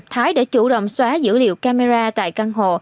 thái đã chủ động xóa dữ liệu camera tại căn hộ